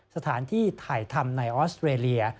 สถานที่ถ่ายทำในออสเตรเลีย